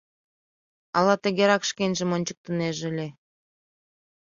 Ала тыгерак шкенжым ончыктынеже ыле.